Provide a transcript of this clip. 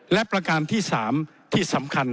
และประการที่๓ที่สำคัญ